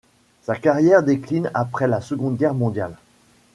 Sa carrière décline après la Seconde Guerre mondiale.